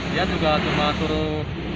dia juga cuma turun